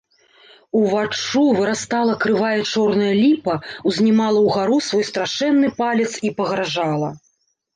Уваччу вырастала крывая чорная ліпа, узнімала ўгару свой страшэнны палец і пагражала.